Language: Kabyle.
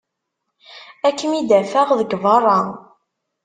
Ad kem-id-afeɣ deg berra.